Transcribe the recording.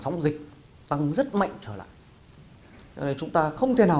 một mươi bốn ngày sau đó